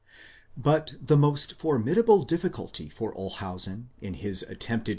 But the most formidable difficulty for Olshausen, in his attempted ieedin.